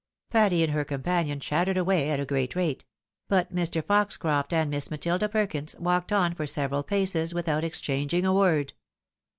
Patty and her companion chattered away at a great rate ; but Mr. Poxcroft and Miss Matilda Perkins walked on for several paces without exchanging a word.